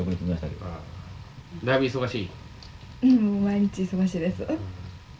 うん毎日忙しいです。